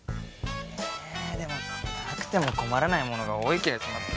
えでもなくても困らないものが多い気がします。